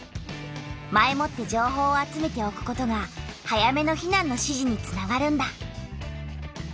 前もって情報を集めておくことが早めの避難の指示につながるんだ。